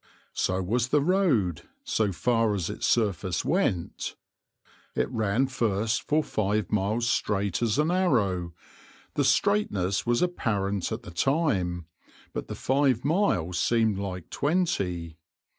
So was the road, so far as its surface went. It ran first for five miles straight as an arrow; the straightness was apparent at the time, but the five miles seemed like twenty.